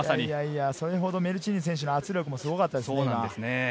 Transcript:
それほどメルチーヌ選手の圧力もすごかったですね。